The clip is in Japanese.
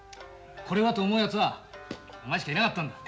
これはと思うやつはお前しかいなかったんだ。